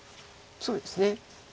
そうですね。